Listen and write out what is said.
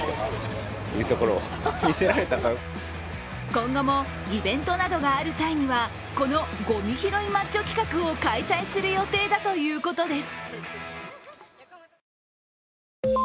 今後もイベントなどがある際には、このゴミ拾いマッチョ企画を開催する予定だということです。